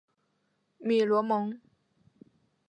米罗蒙。